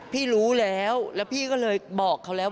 พี่รู้แล้วแล้วพี่ก็เลยบอกเขาแล้ว